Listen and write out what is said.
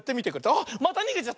あっまたにげちゃった！